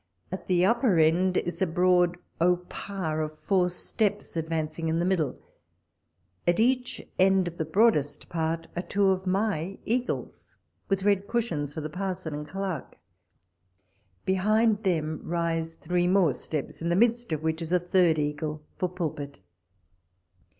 At the upper end is a broad hautpas of four steps, advancing in the middle : at each end of the broadest part are two of my eagles, with red cushions for the parson and clerk. Be hind them rise three more steps, in the midst of which is a third eagle for pulpit.